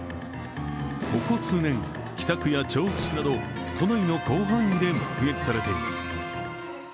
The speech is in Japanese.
ここ数年、北区や調布市など都内の広範囲で目撃されています。